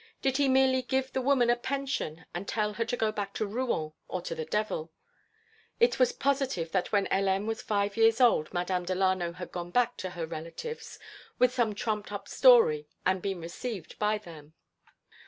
Did he merely give the woman a pension and tell her to go back to Rouen, or to the devil? It was positive that when Hélène was five years old Madame Delano had gone back to her relatives with some trumped up story and been received by them.